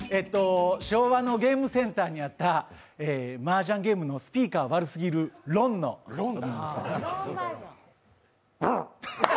昭和のゲームセンターにあったマージャンゲームのスピーカー悪すぎる、ロンの音。